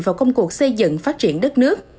vào công cuộc xây dựng phát triển đất nước